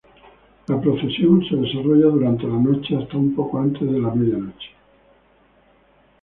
La procesión se desarrolla durante la noche hasta un poco antes de la medianoche.